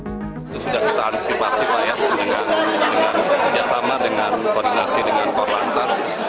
sudah kita antisipasi banyak dengan kerjasama dengan koordinasi dengan kopantas